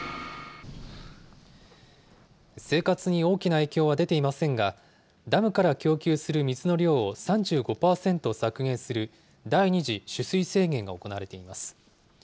生活に大きな影響は出ていませんが、ダムから供給する水の量を３５％削減する、第二次取水制限が行われています。